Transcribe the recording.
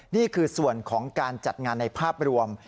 นี่คือส่วนของการจัดงานในภาพรวม